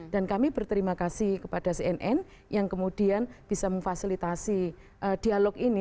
dan kami berterima kasih kepada cnn yang kemudian bisa memfasilitasi dialog ini